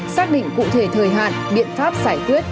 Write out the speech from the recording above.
xác định cụ thể thời hạn biện pháp giải quyết